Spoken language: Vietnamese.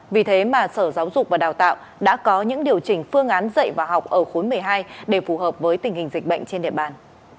vì thế mà sở giáo dục và đào tạo đã có những điều chỉnh phương án dạy và học ở khối một mươi hai để phù hợp với tình hình dịch bệnh trên địa bàn